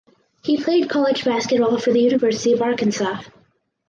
He played college basketball for the University of Arkansas.